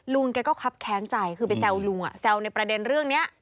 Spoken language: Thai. ลุงแกก็คับแค้นใจคือไปแซวลุงแซวในประเด็นเรื่องนี้